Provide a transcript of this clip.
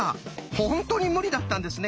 本当に無理だったんですね。